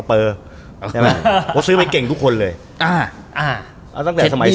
วิเมนแมลิเคนก็เหมาะกับแมลิเยานะ